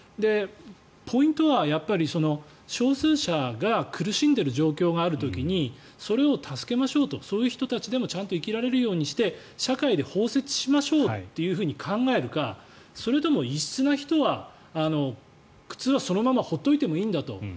ポイントは少数者が苦しんでる状況がある時にそれを助けましょうとそういう人たちでもちゃんと生きられるようにして社会で包摂しましょうと考えるかそれとも異質な人は苦痛はそのまま放っておいていいんだと。